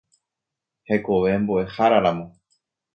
Hekove Mbo'eháraramo.